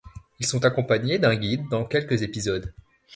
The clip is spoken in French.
Ils sont accompagnés d'un guide dans quelques épisodes.